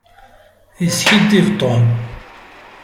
Yeskiddib Tom.